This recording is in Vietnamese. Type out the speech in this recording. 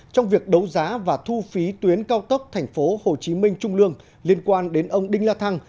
trong việc đấu giá và thu phí tuyến cao tốc tp hcm trung lương liên quan đến ông đinh la thăng